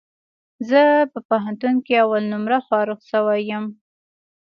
زه په پوهنتون کي اول نمره فارغ سوی یم